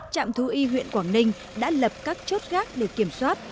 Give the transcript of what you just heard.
trạm thú y huyện quảng ninh đã lập các chốt gác để kiểm soát